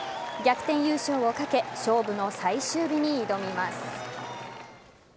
逆転優勝を懸け勝負の最終日に挑みます。